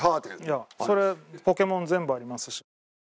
いやそれ『ポケモン』全部ありますし。